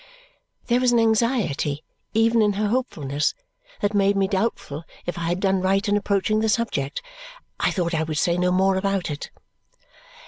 There was an anxiety even in her hopefulness that made me doubtful if I had done right in approaching the subject. I thought I would say no more about it.